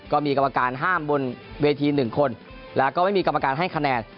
ก็มีกรรมการห้ามบนเวที๑คนและก็ไม่มีกรรมการให้คะแนน